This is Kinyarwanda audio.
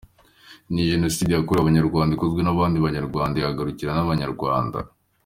Ni Jenoside yakorewe Abanyarwanda ikozwe n’abandi banyarwanda ihagarikwa n’Abanyarwanda.